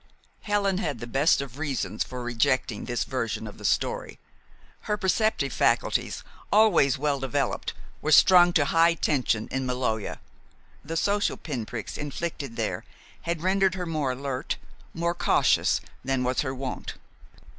Helen had the best of reasons for rejecting this version of the story. Her perceptive faculties, always well developed, were strung to high tension in Maloja. The social pinpricks inflicted there had rendered her more alert, more cautious, than was her wont.